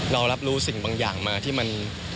เรารับรู้สิ่งบางอย่างมาที่มัน